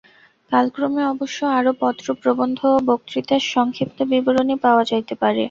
কালক্রমে অবশ্য আরও পত্র, প্রবন্ধ ও বক্তৃতার সংক্ষিপ্ত বিবরণী পাওয়া যাইতে পারে।